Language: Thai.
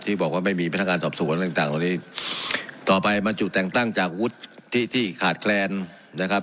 ที่บอกว่าไม่มีทางการสอบสวนต่างตรงนี้ต่อไปมันจุดแต่งตั้งจากวุฒิที่ขาดแคลนนะครับ